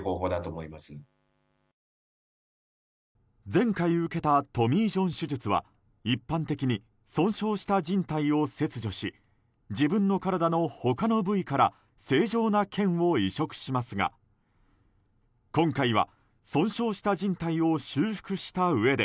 前回、受けたトミー・ジョン手術は一般的に損傷したじん帯を切除し自分の体の他の部位から正常な腱を移植しますが今回は損傷したじん帯を修復したうえで